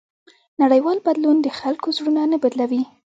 نړیوال بدلون د خلکو زړونه نه بدلوي.